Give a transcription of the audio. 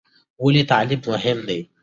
ولې تعلیم مهم دی؟